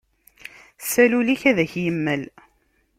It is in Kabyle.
Sal ul-ik, ad ak-imel!